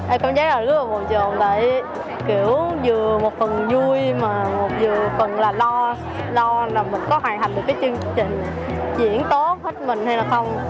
em cảm giác là rất là buồn trồn tại kiểu vừa một phần vui mà vừa phần là lo lo là mình có hoàn thành được cái chương trình này diễn tốt hết mình hay là không